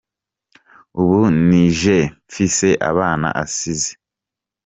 "Ubu ni je mfise abana asize.